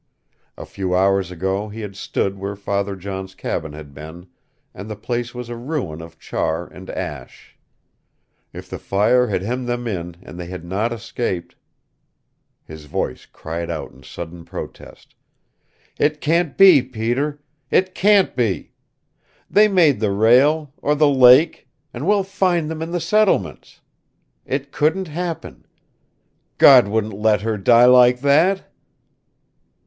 A few hours ago he had stood where Father John's Cabin had been and the place was a ruin of char and ash. If the fire had hemmed them in and they had not escaped His voice cried out in sudden protest. "It can't be, Peter. It can't be! They made the rail or the lake and we'll find them in the settlements. It couldn't happen. God wouldn't let her die like that!"